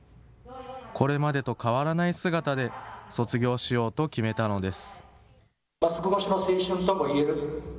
これまでと変わらない姿で卒業しようと決めたのです。